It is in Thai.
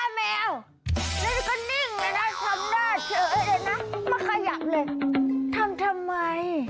ทำทำไม